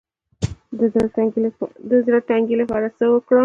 د زړه د تنګي لپاره باید څه وکړم؟